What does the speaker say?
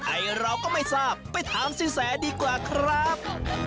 ไอเราก็ไม่ทราบไปถามสินแสดีกว่าครับ